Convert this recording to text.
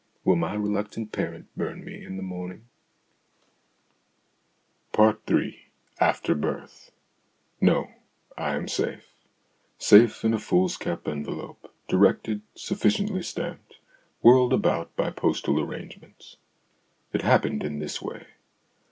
Will my reluctant parent burn me in the morning ? Ill AFTER BIRTH No, I am safe safe in a foolscap envelope, directed, sufficiently stamped, whirled about by postal arrangements. It happened in this way.